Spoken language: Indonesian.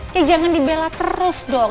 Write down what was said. ya jangan dibela terus dong